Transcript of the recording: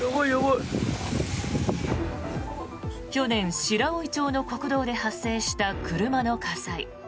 去年、白老町の国道で発生した車の火災。